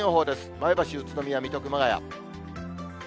前橋、宇都宮、水戸、熊谷。